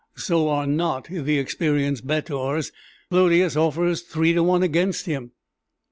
"So are not the experienced bettors: Clodius offers three to one against him."